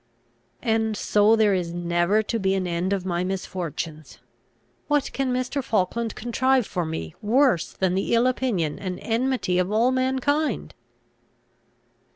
'" "And so there is never to be an end of my misfortunes! What can Mr. Falkland contrive for me worse than the ill opinion and enmity of all mankind?"